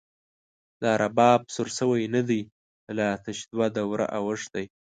لا رباب سور شوی نه دی، لا تش دوه دوره او ښتی